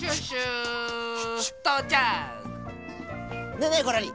ねえねえゴロリ